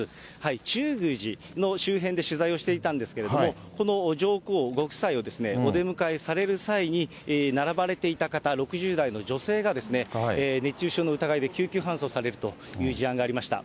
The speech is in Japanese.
中宮寺の周辺で取材をしていたんですけれども、この上皇ご夫妻をお出迎えされる際に並ばれていた方、６０代の方、女性がですね、熱中症の疑いで救急搬送されるという事案がありました。